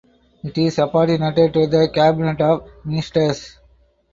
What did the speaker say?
It is subordinated to the Cabinet of Ministers.